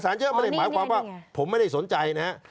เอกสารเยอะไม่ได้หมายความว่าผมไม่ได้สนใจนะครับ